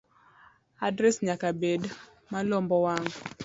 Adres nyaka bedi malombo wang